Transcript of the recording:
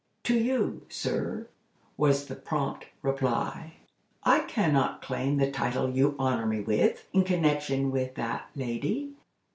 "To you, sir," was the prompt reply. "I can not claim the title you honor me with, in connection with that lady.